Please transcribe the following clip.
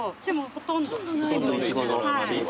ほとんどないですよね。